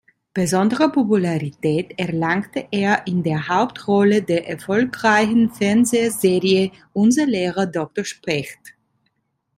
Besondere Popularität erlangte er in der Hauptrolle der erfolgreichen Fernsehserie "Unser Lehrer Doktor Specht".